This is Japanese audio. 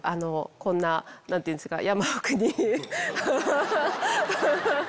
こんな何ていうんですか。